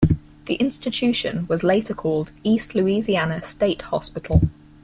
The institution was later called East Louisiana State Hospital.